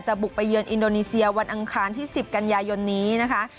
บุกไปเยือนอินโดนีเซียวันอังคารที่๑๐กันยายนนี้นะคะ